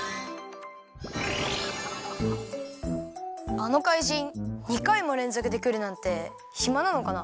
あのかいじん２かいもれんぞくでくるなんてひまなのかな。